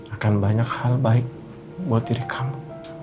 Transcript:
akan banyak hal baik buat diri kamu